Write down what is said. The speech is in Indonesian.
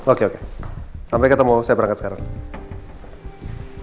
oke oke sampai ketemu saya berangkat sekarang